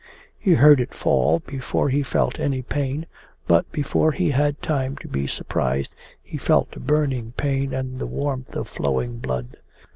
He heard it fall before he felt any pain, but before he had time to be surprised he felt a burning pain and the warmth of flowing blood.